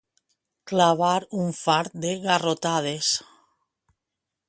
Clavar un fart de garrotades.